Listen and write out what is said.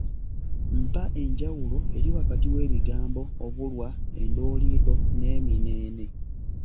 Mpa enjawulo eri wakati w’ebigambo; obulwa, endooliito n’emineene